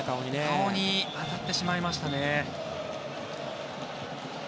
顔に当たってしまいましたね。